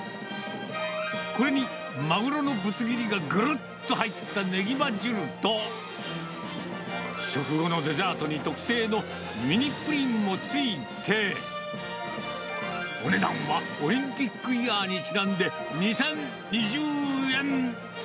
これにマグロのぶつ切りがぐるっと入ったねぎま汁と、食後のデザートに特製のミニプリンも付いて、お値段は、オリンピックイヤーにちなんで２０２０円。